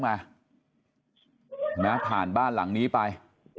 มาผ่านบ้านหลังนี้ไป